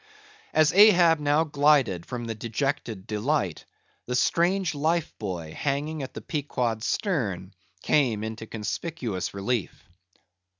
As Ahab now glided from the dejected Delight, the strange life buoy hanging at the Pequod's stern came into conspicuous relief.